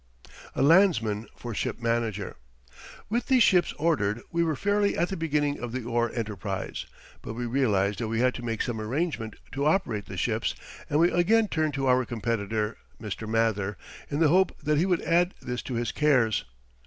A LANDSMAN FOR SHIP MANAGER With these ships ordered, we were fairly at the beginning of the ore enterprise. But we realized that we had to make some arrangement to operate the ships, and we again turned to our competitor, Mr. Mather, in the hope that he would add this to his cares.